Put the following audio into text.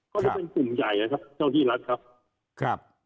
ก็เลยเป็นกลุ่มใหญ่นะครับเจ้าที่รัฐครับครับ